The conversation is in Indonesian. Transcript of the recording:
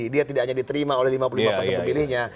dia tidak hanya diterima oleh lima puluh lima persen pemilihnya